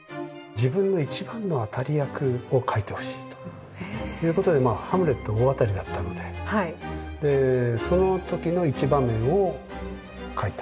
自分の一番の当たり役を描いてほしいということでハムレットは大当たりだったのでその時の一場面を描いた。